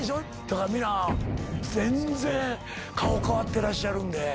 だから皆全然顔変わってらっしゃるんで。